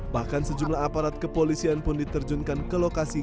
bahkan sejumlah aparat kepolisian pun diterjunkan ke lokasi